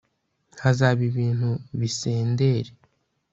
hazaba ibintu bisendere